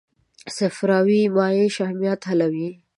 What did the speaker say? صفراوي مایع شحمیات حلوي.